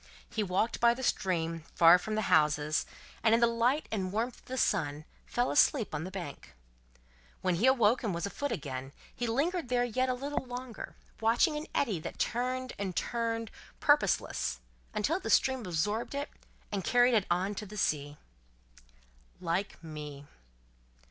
He walked by the stream, far from the houses, and in the light and warmth of the sun fell asleep on the bank. When he awoke and was afoot again, he lingered there yet a little longer, watching an eddy that turned and turned purposeless, until the stream absorbed it, and carried it on to the sea. "Like me."